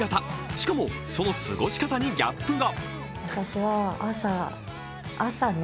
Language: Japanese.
しかも、その過ごし方にギャップが。